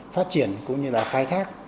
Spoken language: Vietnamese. phát triển cũng như là khai thác